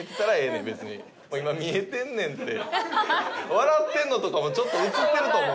笑ってんのとかもちょっと映ってると思うで。